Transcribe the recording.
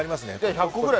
１００個ぐらい？